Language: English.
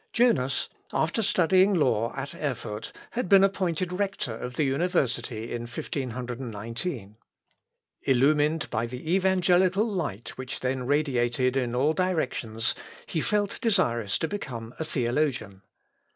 Jonas, after studying law at Erfurt, had been appointed rector of the university in 1519. Illumined by the evangelical light which then radiated in all directions, he felt desirous to become a theologian.